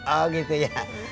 oh gitu ya